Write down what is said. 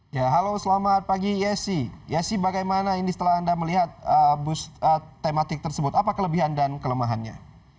ya halo selamat pagi yesi yesi bagaimana ini setelah anda melihat bus tematik tersebut apa kelebihan dan kelemahannya